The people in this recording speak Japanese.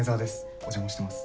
お邪魔してます。